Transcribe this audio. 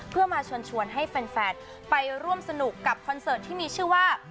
เพื่อมาเชิญชวนให้แฟนไปร่วมสนุกกับคอนเสิร์ตที่มีชื่อว่า